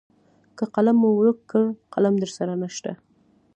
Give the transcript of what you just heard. که قلم مو ورک کړ قلم درسره نشته .